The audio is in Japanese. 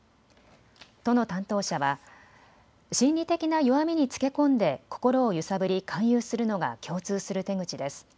都の担当者は心理的な弱みにつけ込んで心を揺さぶり勧誘するのが共通する手口です。